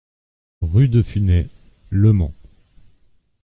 Rue de Funay, Le Mans